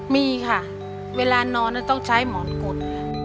มีค่ะเวลานอนต้องใช้หมอนกุด